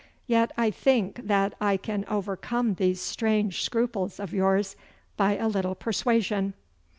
Yet I think that I can overcome these strange scruples of yours by a little persuasion.